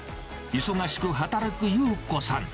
忙しく働く友子さん。